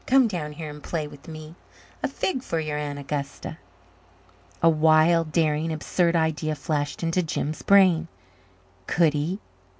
Come down here and play with me. A fig for your Aunt Augusta!" A wild, daring, absurd idea flashed into Jims' brain. Could he?